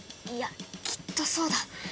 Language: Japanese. いやきっとそうだ！